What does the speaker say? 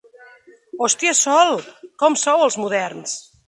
Hòstia Sol, com sou els moderns!